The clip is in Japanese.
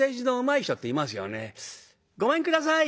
「ごめんください。